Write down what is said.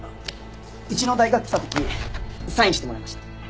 うちの大学に来た時サインしてもらいました。